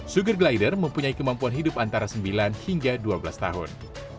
sugar glider mempunyai kemampuan hidup antara sembilan hingga dua belas tahun